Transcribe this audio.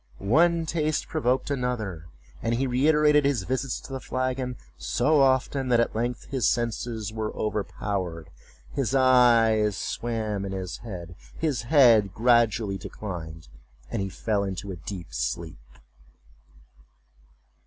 One taste provoked another; and he reiterated his visits to the flagon so often that at length his senses were overpowered, his eyes swam in his head, his head gradually declined, and he fell into a deep sleep.